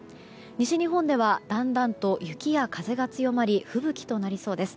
西日本ではだんだんと雪や風が強まり吹雪となりそうです。